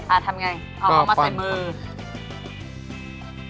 อ่าทำอย่างไรเอามาใส่มือก็ปั้นค่ะ